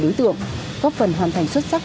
đối tượng góp phần hoàn thành xuất sắc